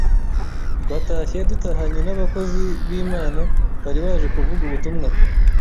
twatashye dutahanye n’abakozi b’Imana bari baje kuvuga ubutumwa